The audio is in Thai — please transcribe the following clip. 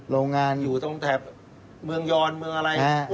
โรงงานอยู่ตั้งแต่เมืองยอนเมืองอะไร